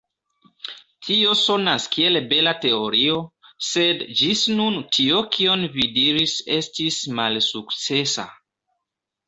Tio sonas kiel bela teorio, sed ĝis nun tio kion vi diris estis malsukcesa.